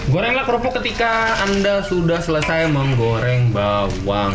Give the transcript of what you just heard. gorenglah kerupuk ketika anda sudah selesai menggoreng bawang